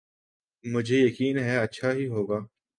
مجھے یقین ہے اچھا ہی ہو گا۔